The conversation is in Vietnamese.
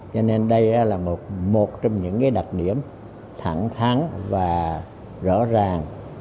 cho nên đây là một trong những đặc điểm thẳng tháng và rõ ràng